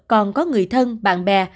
còn có người thân bạn bè